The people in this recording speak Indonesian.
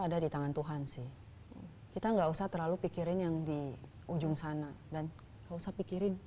ada di tangan tuhan sih kita nggak usah terlalu pikirin yang di ujung sana dan nggak usah pikirin